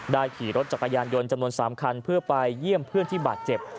ขี่รถจักรยานยนต์จำนวน๓คันเพื่อไปเยี่ยมเพื่อนที่บาดเจ็บ